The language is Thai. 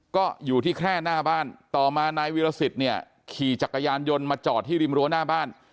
ก็อยู่ที่แค่หน้าบ้านต่อมานายวิรสิตเนี่ยขี่จักรยานยนต์มาจอดที่ริมรั้วหน้าบ้าน